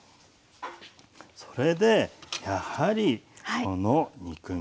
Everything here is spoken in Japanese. それでやはりこの肉みそです。